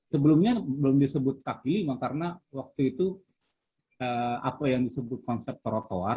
sebelumnya belum disebut kaki lima karena waktu itu apa yang disebut konsep trotoar